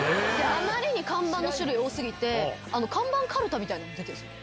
あまりに看板の種類が多すぎて、看板かるたみたいなのも出てるんですよ。